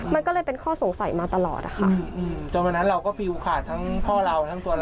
มันก็เลยเป็นข้อสงสัยมาตลอดค่ะ